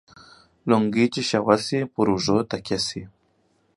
لنگۍ چې شوه سي ، پر اوږو تکيه سي.